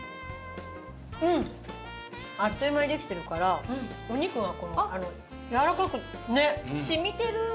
うん！あっという間にできてるからお肉がやわらかくね。